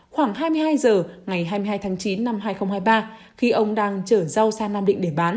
khoảng hai mươi hai h ngày hai mươi hai tháng chín năm hai nghìn hai mươi ba khi ông đang chở rau sang nam định để bán